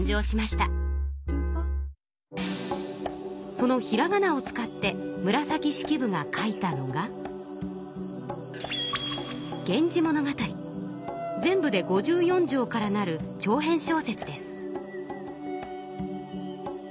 そのひらがなを使って紫式部が書いたのが全部で５４帖からなる長編小説です。